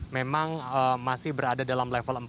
memang masih berada dalam level empat